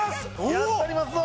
やったりますわ！